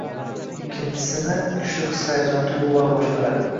Ikkisini kuchli his-hayajon, tuyg`ular boshqaradi